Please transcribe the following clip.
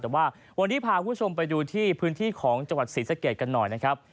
แต่ว่าวันนี้พาคุณผู้ชมไปดูที่พื้นที่ของจังหวัดศรีสะเกดกันหน่อยนะครับ